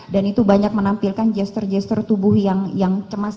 dan itu banyak menampilkan gesture gesture tubuh yang cemas